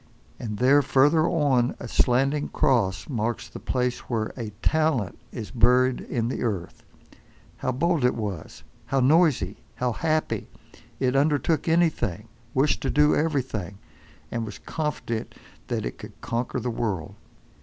And there, further on, a slanting cross marks the place where a Talent is buried in the earth. How bold it was, how noisy, how happy! It undertook anything, wished to do everything, and was confident that it could conquer the world.